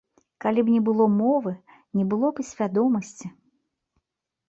Калі б не было мовы, не было б і свядомасці.